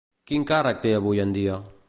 Quin càrrec té avui en dia?